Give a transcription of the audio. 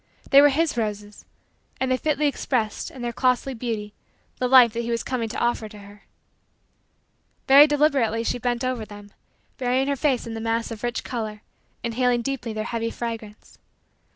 They were his roses; and they fitly expressed, in their costly beauty, the life that he was coming to offer to her. Very deliberately she bent over them, burying her face in the mass of rich color, inhaling deeply their heavy fragrance.